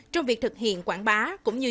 trong việc thực hiện quảng bá cũng như